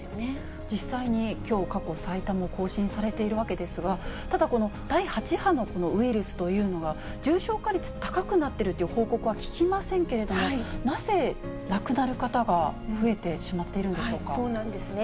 実際にきょう、過去最多も更新されているわけですが、ただこの第８波のウイルスというのが重症化率、高くなっているという報告は聞きませんけれども、なぜ亡くなる方が増えてしまってそうなんですね。